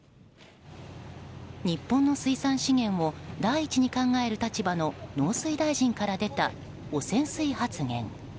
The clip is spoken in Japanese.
日本の水産資源を第一に考える立場の農水大臣から出た汚染水発言。